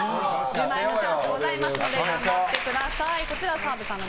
１０万円のチャンスありますので頑張ってください。